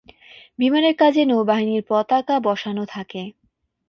বিমানের লেজে নৌবাহিনীর পতাকা বসানো থাকে।